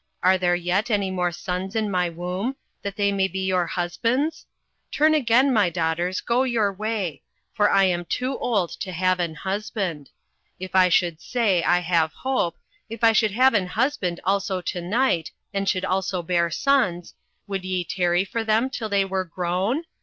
are there yet any more sons in my womb, that they may be your husbands? 08:001:012 Turn again, my daughters, go your way; for I am too old to have an husband. If I should say, I have hope, if I should have an husband also to night, and should also bear sons; 08:001:013 Would ye tarry for them till they were grown?